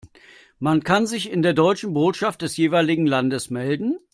Man kann sich in der deutschen Botschaft des jeweiligen Landes melden.